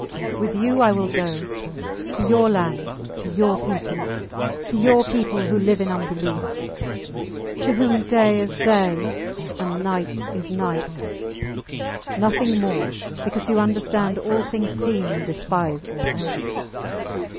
With you I will go. To your land to your people. To your people, who live in unbelief; to whom day is day, and night is night nothing more, because you understand all things seen, and despise all else!